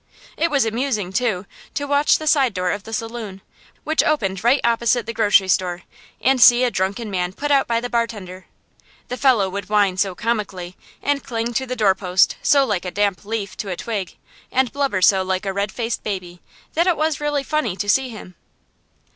It was amusing, too, to watch the side door of the saloon, which opened right opposite the grocery store, and see a drunken man put out by the bartender. The fellow would whine so comically, and cling to the doorpost so like a damp leaf to a twig, and blubber so like a red faced baby, that it was really funny to see him.